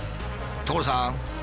所さん！